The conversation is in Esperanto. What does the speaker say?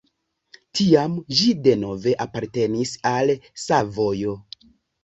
Tiam ĝi denove apartenis al Savojo.